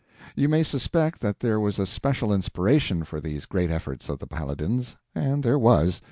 You may suspect that there was a special inspiration for these great efforts of the Paladin's, and there was.